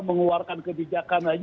mengeluarkan kebijakan aja